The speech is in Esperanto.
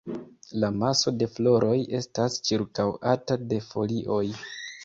La maso de floroj estas ĉirkaŭata de folioj.